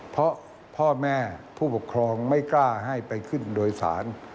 เพราะพ่อแม่ผู้ปกครองไม่กล้าให้ไปขึ้นโดยสาร